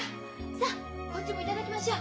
さあこっちも頂きましょう。